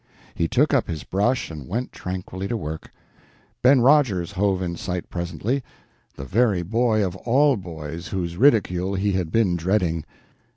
He took up his brush and went tranquilly to work. Ben Rogers hove in sight presently; the very boy of all boys whose ridicule he had been dreading.